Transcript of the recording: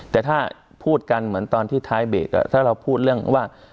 แต่ถ้าพูดกันเหมือนตอนที่ท้ายเบรกถ้าเราพูดเรื่องว่า